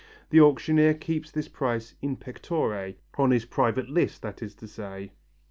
The auctioneer keeps this price in pectore, on his private list, that is to say.